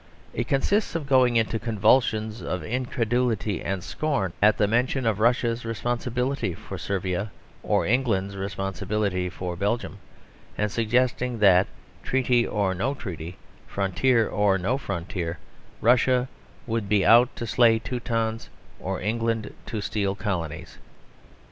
It consists of going into convulsions of incredulity and scorn at the mention of Russia's responsibility for Servia or England's responsibility for Belgium; and suggesting that, treaty or no treaty, frontier or no frontier, Russia would be out to slay Teutons or England to steal colonies.